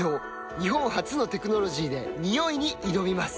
日本初のテクノロジーでニオイに挑みます